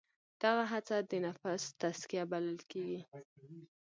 دغه هڅه د نفس تزکیه بلل کېږي.